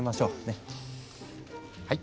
はい。